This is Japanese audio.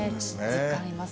実感あります。